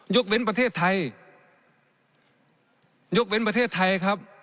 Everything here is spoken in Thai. กเว้นประเทศไทยยกเว้นประเทศไทยครับ